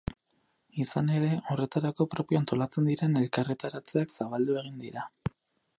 Izan ere, horretarako propio antolatzen diren elkarretaratzeak zabaldu egin dira.